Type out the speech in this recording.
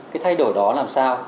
cái thay đổi đó làm sao